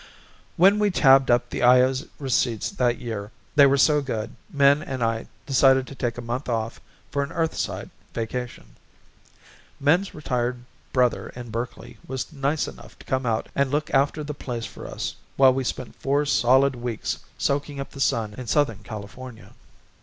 When we tabbed up the Io's receipts that year they were so good Min and I decided to take a month off for an Earthside vacation. Min's retired brother in Berkeley was nice enough to come out and look after the place for us while we spent four solid weeks soaking up the sun in Southern California.